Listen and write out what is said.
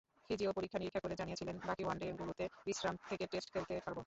Physio পরীক্ষা-নিরীক্ষা করে জানিয়েছিলেন বাকি ওয়ানডেগুলোতে বিশ্রামে থেকে টেস্ট খেলতে পারব।